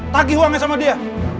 tagih uangnya sama dia